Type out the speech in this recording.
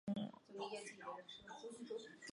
如此的论述恐有消费社会工作专业之嫌。